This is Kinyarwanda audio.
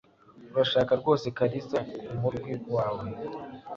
Urashaka rwose Kalisa kumurwi wawe?